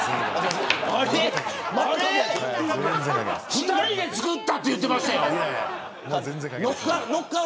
２人で作ったって言ってましたよ。